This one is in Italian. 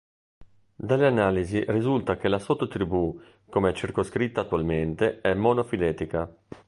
Dalle analisi risulta che la sottotribù come è circoscritta attualmente è monofiletica.